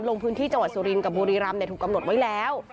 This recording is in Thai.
ลงพื้นที่จังหวัดสุรินกับบุรีรำถูกกำหนดไว้แล้ว